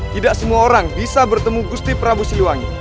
tidak semua orang bisa bertemu gusti prabu siliwangi